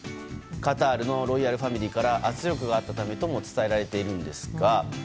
カタールのロイヤルファミリーから圧力があったためとも伝えられているんですが。